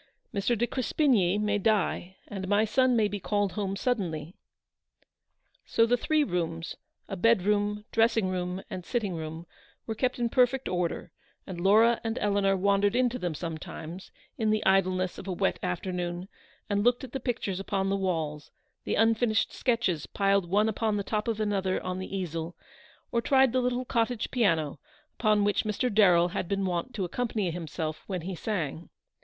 u Mr. de Crespigny may die and my son may be called home suddenly." So the three rooms, a bed room, dressing room, 278 and sitting room, were kept in perfect order, and Laura and Eleanor wandered into them some times, in the idleness of a wet afternoon, and looked at the pictures upon the walls, the unfinished sketches piled one upon the top of another on the easel, or tried the little cottage piano, upon which Mr. Darrell had been wont to accompany himself when he sang.